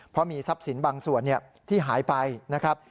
เพราะมีทรัพย์สินบางส่วนที่หายไปนะครับ